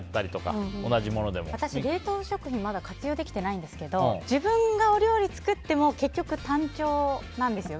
私、冷凍食品まだ活用できてないんですけど自分がお料理作っても結局、単調なんですよ。